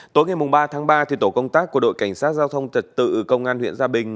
tối ngày ba tháng ba tổ công tác của đội cảnh sát giao thông tật tự công an huyện gia bình